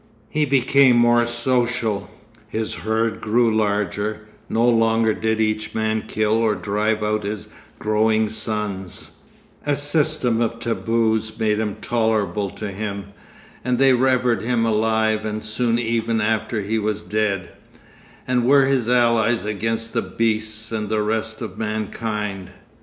He became more social; his herd grew larger; no longer did each man kill or drive out his growing sons; a system of taboos made them tolerable to him, and they revered him alive and soon even after he was dead, and were his allies against the beasts and the rest of mankind.